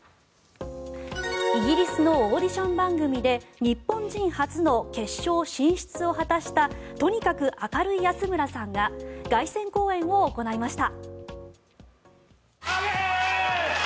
イギリスのオーディション番組で日本人初の決勝進出を果たしたとにかく明るい安村さんが凱旋公演を行いました。